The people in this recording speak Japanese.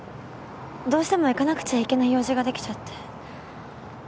どうしても行かなくちゃいけない用事ができちゃって。